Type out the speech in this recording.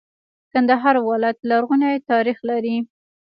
کندهار ولایت لرغونی تاریخ لري.